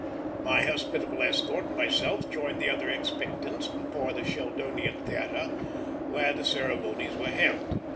My hospitable escort and myself joined the other expectants before the Sheldonian Theatre, where the ceremonies are held.